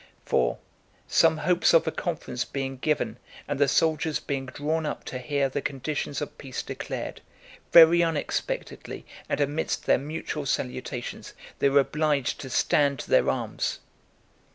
For, some hopes of a conference being given, and the soldiers being drawn up to hear the conditions of peace declared, very unexpectedly, and amidst their mutual salutations, they were obliged to stand to their arms.